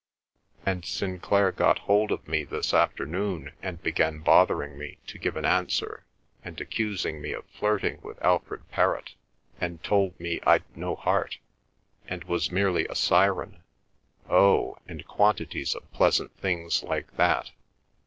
And Sinclair got hold of me this afternoon and began bothering me to give an answer, and accusing me of flirting with Alfred Perrott, and told me I'd no heart, and was merely a Siren, oh, and quantities of pleasant things like that.